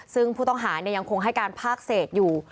ซึ่งผู้ต้องหายังคงให้การภาคเศษอยู่